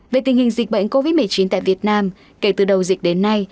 về tình hình dịch bệnh covid một mươi chín tại việt nam kể từ đầu dịch đến nay